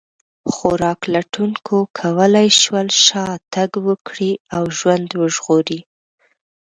خوراک لټونکو کولی شول شا تګ وکړي او ژوند وژغوري.